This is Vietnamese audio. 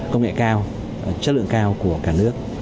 công nghệ cao chất lượng cao của cả nước